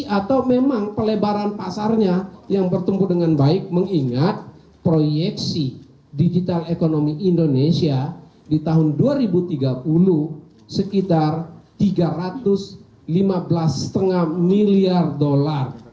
atau memang pelebaran pasarnya yang bertumbuh dengan baik mengingat proyeksi digital ekonomi indonesia di tahun dua ribu tiga puluh sekitar tiga ratus lima belas lima miliar dolar